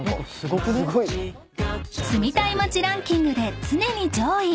［住みたい街ランキングで常に上位！